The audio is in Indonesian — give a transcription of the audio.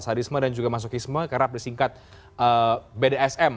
sadisme dan juga masokisme kerap disingkat bdsm